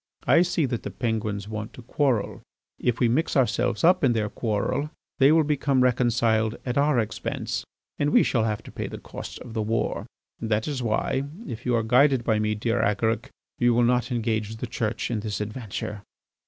"I see that the Penguins want to quarrel. If we mix ourselves up in their quarrel they will become reconciled at our expense and we shall have to pay the cost of the war. That is why, if you are guided by me, dear Agaric, you will not engage the Church in this adventure."